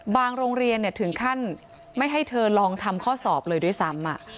โรงเรียนถึงขั้นไม่ให้เธอลองทำข้อสอบเลยด้วยซ้ำ